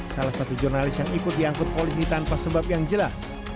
salah satu jurnalis yang ikut diangkut polisi tanpa sebab yang jelas